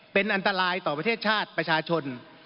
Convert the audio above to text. เป็นอันตรายต่อประเทศชาติประชาชน